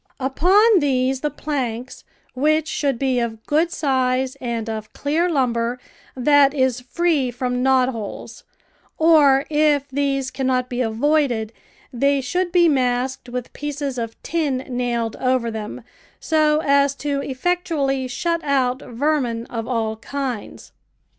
Upon these the planks, which should be of good size and of clear lumber that is free from knot holes, or, if these cannot be avoided, they should be masked with pieces of tin nailed over them, so as to effectually shut out vermin of all kinds.